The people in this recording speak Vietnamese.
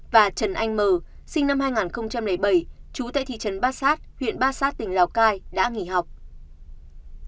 và trần anh m sinh năm hai nghìn bảy chú tại thị trấn bát sát huyện bát sát tỉnh lào cai đã nghỉ học